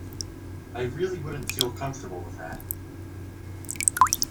I really wouldn't feel comfortable with that.